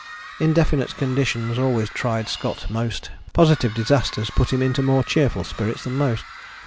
" Indefinite conditions always tried Scott most: positive disasters put him into more cheerful spirits than most.